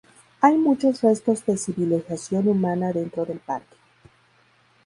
Hay muchos restos de civilización humana dentro del parque.